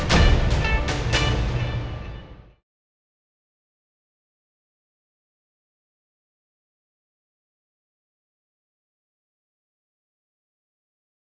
jangan teruesto muka brown ya